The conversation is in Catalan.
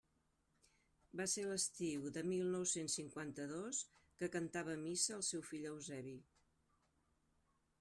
Va ser l'estiu de mil nou-cents cinquanta-dos, que cantava missa el seu fill Eusebi.